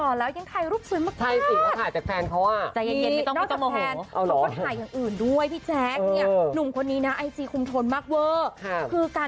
ตัวพ่อดีกว่า